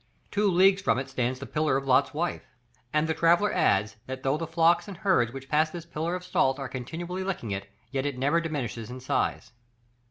Two leagues from it stands the pillar of Lot's wife, and the traveller adds, "that though the flocks and herds which pass this pillar of salt are continually licking it, yet it never diminishes in size."